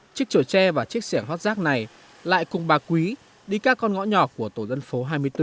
chiếc trổ tre và chiếc xẻng hot rác này lại cùng bà quý đi các con ngõ nhỏ của tổ dân phố hai mươi bốn